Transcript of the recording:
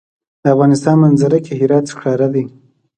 د افغانستان په منظره کې هرات ښکاره ده.